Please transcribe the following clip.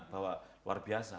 bahwa luar biasa